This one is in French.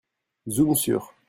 Zoom sur…